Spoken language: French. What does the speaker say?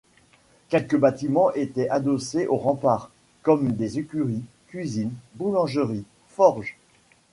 Quelques bâtiments étaient adossés aux remparts, comme des écuries, cuisines, boulangerie, forge...